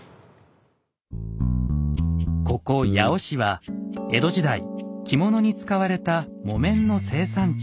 ここ八尾市は江戸時代着物に使われた木綿の生産地。